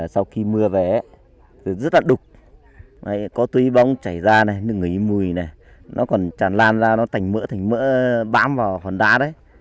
sau khi mưa về rất là đục có túi bóng chảy ra ngửi mùi nó còn tràn lan ra nó thành mỡ thành mỡ bám vào hòn đá đấy